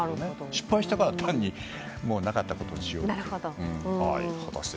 失敗したから単になかったことにしようという。